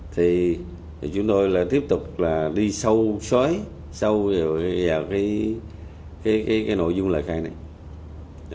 thì chúng tôi là tiếp tục là đi sâu xói sâu vào cái nội dung lời khai này